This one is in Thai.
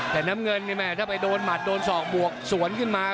แต่น้ำเงินนี่แม่ถ้าไปโดนหมัดโดนศอกบวกสวนขึ้นมา